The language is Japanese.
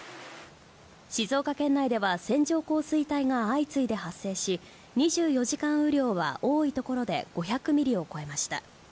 静岡県内では線状降水帯が相次いで発生し、２４時間雨量は、多いところで５００ミリを超えました。